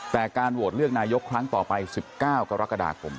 แต่การโหวตเลือกนายกครั้งต่อไป๑๙กรกฎาคม